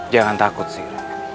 jangan takut sir